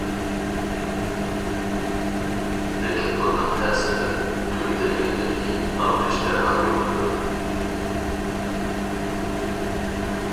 لېكىن بۇنداق تەسىرلەر تۈگىتىلگەندىن كېيىن، ئاغرىش دەرھال يوقىلىدۇ.